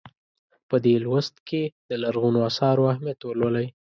په دې لوست کې د لرغونو اثارو اهمیت ولولئ.